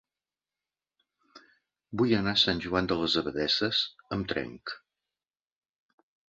Vull anar a Sant Joan de les Abadesses amb tren.